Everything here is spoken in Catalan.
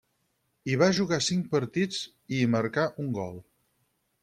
Hi va jugar cinc partits i hi marcà un gol.